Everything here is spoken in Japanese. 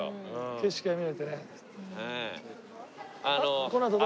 景色が見れてね。